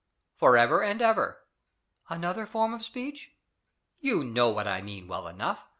"For ever and ever." "Another form of speech?" "You know what I mean well enough.